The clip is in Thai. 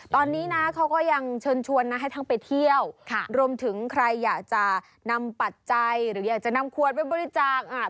ตอนนี้นะเขาก็ยังเชิญชวนนะให้ทั้งไปเที่ยวค่ะรวมถึงใครอยากจะนำปัจจัยหรืออยากจะนำขวดไปบริจาคอ่ะ